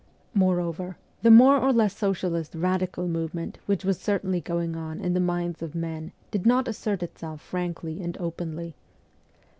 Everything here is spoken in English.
Moreover, the more or less socialist radical movement which was certainly going on in the minds of men did not assert itself frankly and openly.